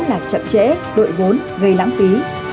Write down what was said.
là chậm trễ đội vốn gây lãng phí